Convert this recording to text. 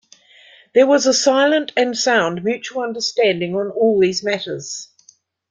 There was a silent and sound mutual understanding on all these matters'.